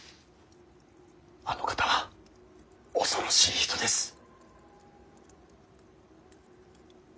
あの方は恐ろしい人です。